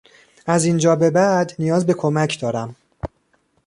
از اینجا به بعد نیاز به کمک دارم.